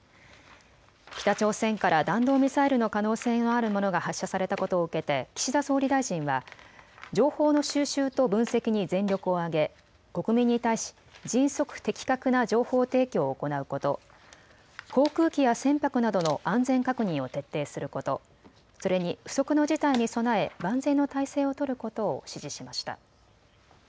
北朝鮮から弾道ミサイルの可能性があるものが発射されたことを受けて岸田総理大臣は情報の収集と分析に全力を挙げ国民に対し迅速・的確な情報提供を行うこと、航空機や船舶などの安全確認を徹底すること、それに不測の事態に備え万全の態勢を取ることを指示しました。